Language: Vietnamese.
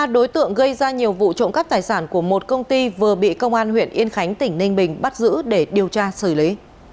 ba đối tượng gây ra nhiều vụ trộm cắp tài sản của một công ty vừa bị công an huyện yên khánh tỉnh ninh bình bắt giữ để điều tra xử lý